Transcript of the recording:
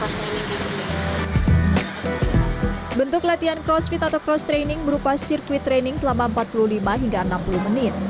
sales ini bentuk latihan crossfit atau crosstraining berupa sirkuit training selama empat puluh lima hingga enam puluh menit